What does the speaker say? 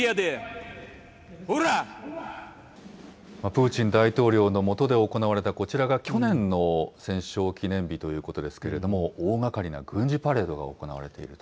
プーチン大統領の下で行われたこちらが去年の戦勝記念日ということですけれども、大がかりな軍事パレードが行われている。